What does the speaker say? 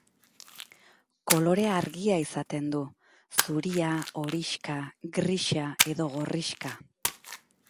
Kolore argia izaten du, zuria, horixka, grisa edo gorrixka.